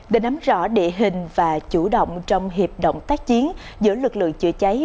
để nắm rõ địa hình và chủ động trong hiệp động tác chiến giữa lực lượng chữa cháy